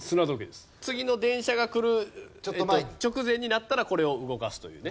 次の電車が来る直前になったらこれを動かすというね。